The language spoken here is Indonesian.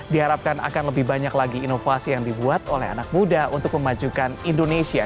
diharapkan akan lebih banyak lagi inovasi yang dibuat oleh anak muda untuk memajukan indonesia